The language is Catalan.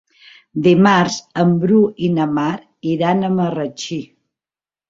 Dimarts en Bru i na Mar iran a Marratxí.